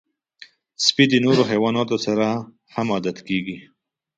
سپي د نورو حیواناتو سره هم عادت کېږي.